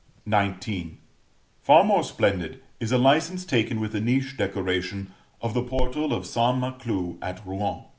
XIX. Far more splendid is a license taken with the niche decoration of the portal of St. Maclou at Rouen.